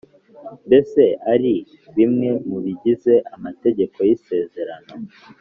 mbese ari bimwe mu bigize Amategeko y’ isezerano